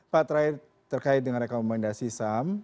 pak terakhir terkait dengan rekomendasi sam